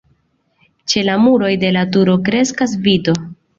Ĉe la muroj de la turo kreskas vito.